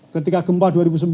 ketika gempa dua ribu sembilan